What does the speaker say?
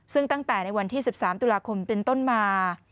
ซึ่งตั้งแต่ในวันที่๑๓ตุลาคมเป็นต้นมา